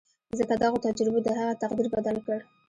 ځکه دغو تجربو د هغه تقدير بدل کړ.